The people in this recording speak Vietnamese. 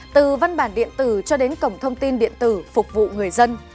từ văn bản điện tử cho đến cổng thông tin điện tử phục vụ người dân